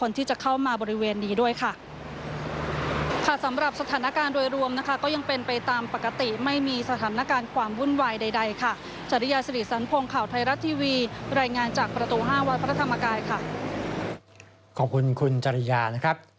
สถานการณ์ความวุ่นวายใดค่ะจริยาศรีสันพงศ์ข่าวไทยรัฐทีวีรายงานจากประตูห้าวันพระธรรมกายค่ะขอบคุณคุณจริยานะครับ